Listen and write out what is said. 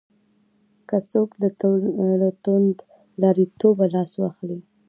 که څوک له توندلاریتوبه لاس واخلي.